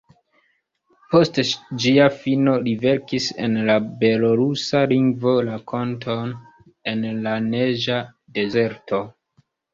Post ĝia fino li verkis en la belorusa lingvo rakonton ""En la neĝa dezerto"".